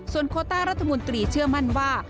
โคต้ารัฐมนตรีเชื่อมั่นว่า